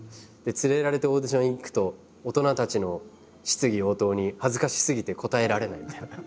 連れられてオーディションへ行くと大人たちの質疑応答に恥ずかしすぎて答えられないみたいな。